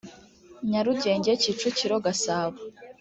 nyarugenge kicukiro gasabo